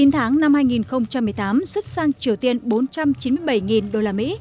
chín tháng năm hai nghìn một mươi tám xuất sang triều tiên bốn trăm chín mươi bảy usd